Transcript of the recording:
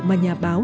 mà nhà báo